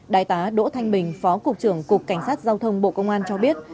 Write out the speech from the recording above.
đại tá đỗ thanh bình phó cục trưởng cục cảnh sát giao thông bộ công an cho biết